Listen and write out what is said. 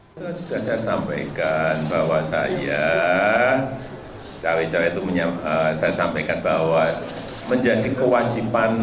saya juga menyampaikan bahwa saya cawe cawe itu saya sampaikan bahwa menjadi kewajiban